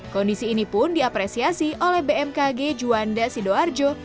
kondisi ini pun diapresiasi oleh bmkg juanda sidoarjo